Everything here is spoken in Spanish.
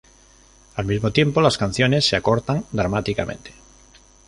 Al mismo tiempo las canciones se acortan dramáticamente.